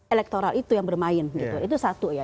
elektoral itu yang bermain gitu itu satu ya